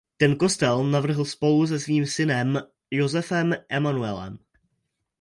Ten kostel navrhl spolu se svým synem Josephem Emanuelem.